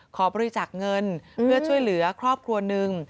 ขอบริจาคเงินเพื่อช่วยเหลือครอบครัวหนึ่ง